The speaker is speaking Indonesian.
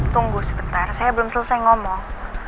tunggu sebentar saya belum selesai ngomong